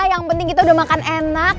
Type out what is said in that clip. yang penting kita udah makan enak